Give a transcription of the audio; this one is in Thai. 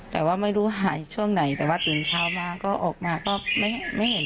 แต่ว่าไม่รู้หายช่วงไหนแต่ว่าตื่นเช้ามาก็ออกมาก็ไม่เห็น